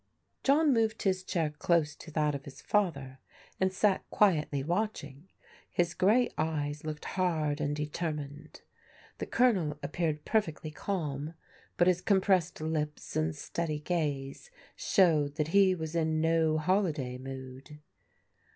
John moved his chair close to that of his father, and sat quietly watching; his gray eyes looked hard and deter mined. The Colonel appeared perfectly calm, but his compressed lips and steady gaze showed that he was in no holiday mood.